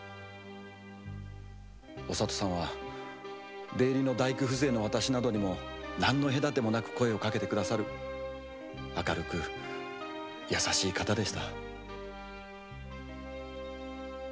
お里さんは出入りの大工の私などにもなんの隔てもなく声をかけてくれる明るく優しい方でした。